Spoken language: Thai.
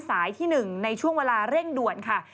ที่๑ในช่วงเวลาเร่งด่วนค่ะ